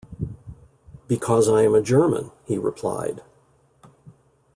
"Because I am a German", he replied.